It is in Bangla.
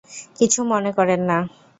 কিছু মনে করেন না।